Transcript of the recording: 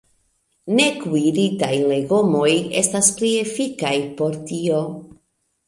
Nekuiritaj legomoj estas pli efikaj por tio.